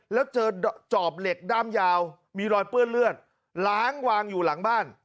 แล้วเจอจอบเหล็กด้ามยาวมีรอยเปื้อนเลือดล้างวางอยู่หลังบ้าน